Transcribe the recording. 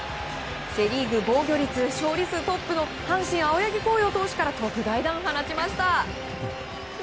セ・リーグ防御率、勝利数トップの阪神、青柳晃洋投手から特大弾を放ちました。